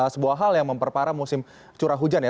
sebuah hal yang memperparah musim curah hujan ya